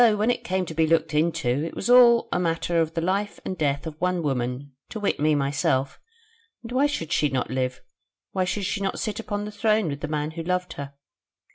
when it came to be looked into, it was all a matter of the life and death of one woman, to wit me myself, and why should she not live, why should she not sit upon the throne with the man who loved her?